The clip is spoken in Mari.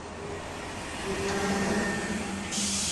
Мемнанымат.